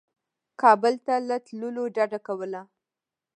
کابل ته له تللو ډده کوله.